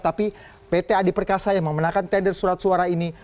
tapi pt adi perkasa yang memenangkan tender surat suara ini